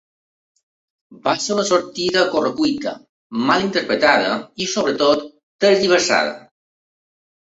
Va ser una sortida a corre-cuita, mal interpretada i, sobretot, tergiversada.